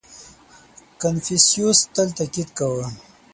• کنفوسیوس تل تأکید کاوه.